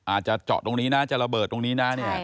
อาจจะเจาะตรงนี้นะจะระเบิดตรงนี้นะเนี่ย